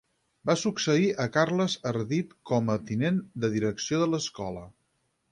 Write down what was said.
Va succeir a Carles Ardit com a tinent de direcció de l'escola.